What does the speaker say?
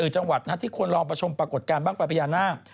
จังหวัดที่ควรลองประชมปรากฏการณ์บ้างไฟพญานาค